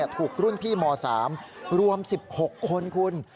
ถูกรุ่นพี่ม๓รวม๑๖คนคุณ